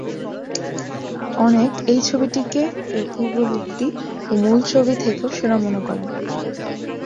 অনেক এই ছবিটিকে এর পূর্ববর্তী ও মূল ছবি থেকেও সেরা মনে করেন।